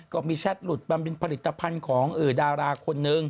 ก็มีแชทหลุดบำบินผลิตภัณฑ์ของดาราคนนึง